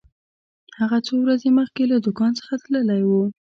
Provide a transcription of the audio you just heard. هغه څو ورځې مخکې له دکان څخه تللی و.